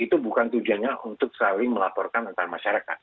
itu bukan tujuannya untuk saling melaporkan antara masyarakat